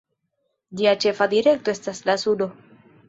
Ĝia ĉefa direkto estas la sudo.